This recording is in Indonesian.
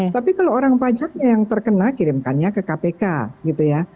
tapi kalau orang pajaknya yang terkena kirimkannya ke kpk gitu ya